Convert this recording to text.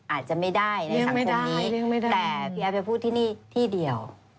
อาจจะไม่ได้ในสังคมนี้แต่พี่แอฟไปพูดที่นี่ที่เดียว